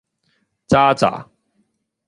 咋喳